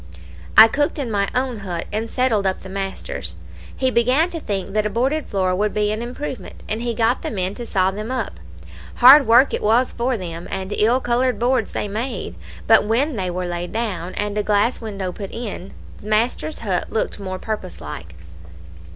I cooked in my own hut, and settled up the master's. He began to think that a boarded floor would be an improvement, and he got the men to saw them up. Hard work it was for them; and ill coloured boards they made; but when they were laid down, and a glass window put in, the master's hut looked more purpose like.